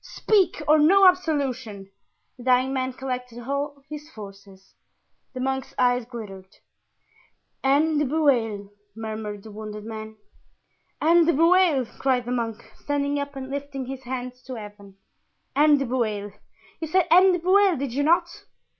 Speak, or no absolution!" The dying man collected all his forces. The monk's eyes glittered. "Anne de Bueil," murmured the wounded man. "Anne de Bueil!" cried the monk, standing up and lifting his hands to Heaven. "Anne de Bueil! You said Anne de Bueil, did you not?"